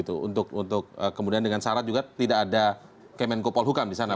untuk untuk kemudian dengan syarat juga tidak ada kemenko paul hukam disana